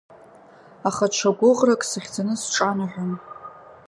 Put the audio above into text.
Аха ҽа гәыӷрак сыхьӡаны сҿанаҳәон…